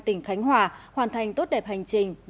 tỉnh khánh hòa hoàn thành tốt đẹp hành trình